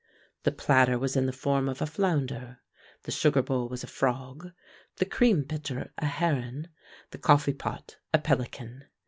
The platter was in the form of a flounder, the sugar bowl was a frog, the cream pitcher a heron, the coffee pot a pelican.